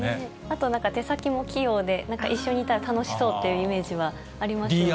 あとなんか手先も器用で、なんか一緒にいたら楽しそうっていうイメージはありますよね。